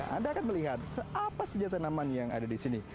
anda akan melihat apa senjata tanaman yang ada di sini